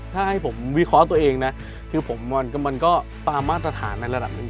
ถ้าให้ผมวิเคราะห์ตัวเองนะคือผมมันก็ตามมาตรฐานในระดับหนึ่ง